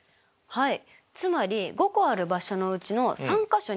はい。